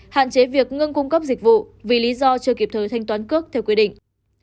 hạn chế việc ngưng cung cấp dịch vụ vì lý do chưa kịp thời thanh toán cước theo quy định